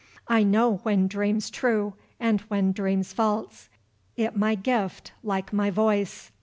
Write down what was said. "I know when dreams true and when dreams false; it my gift, like my voice.